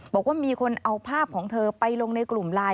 บอกว่ามีคนเอาภาพของเธอไปลงในกลุ่มไลน์